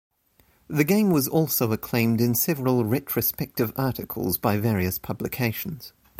The game was also acclaimed in several retrospective articles by various publications.